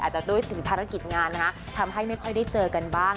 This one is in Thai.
อาจจะด้วยศิลป์ภารกิจงานทำให้ไม่ค่อยได้เจอกันบ้าง